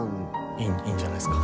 いいんじゃないですか。